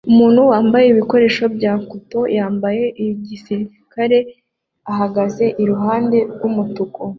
Umuntu wambaye ibikoresho bya cotoon ya gisirikare ahagaze iruhande rwumutuku